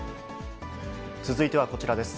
続いてはこちらです。